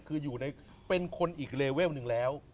คืออยู่ในเป็นคนอีกเลเวลหนึ่งแล้ว